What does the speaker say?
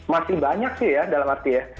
masih banyak sih ya dalam arti ya